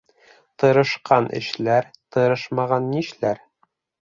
Тырышҡан эшләр, тырышмаған нишләр?